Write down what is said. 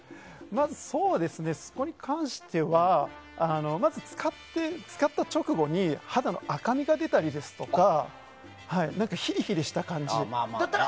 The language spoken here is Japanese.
まず、そこに関しては使った直後に肌の赤みが出たりですとかヒリヒリした感じがあったら。